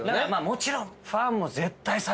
もちろん。